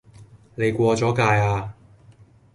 你過左界呀